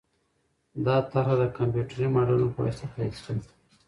دا طرحه د کمپیوټري ماډلونو په واسطه تایید شوې ده.